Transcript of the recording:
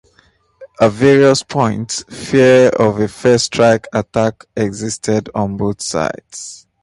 At various points, fear of a first strike attack existed on both sides.